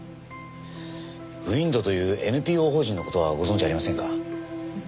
ＷＩＮＤというＮＰＯ法人の事はご存じありませんか？